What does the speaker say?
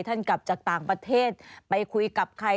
กลับจากต่างประเทศไปคุยกับใคร